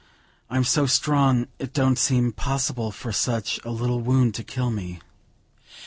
I'm so strong it don't seem possible for such a little wound to kill me."